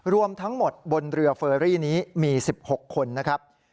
รวมทั้งหมดบนเรือเฟอรี่นี้มี๑๖คนนะครับ